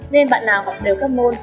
nên bạn nào học đều các môn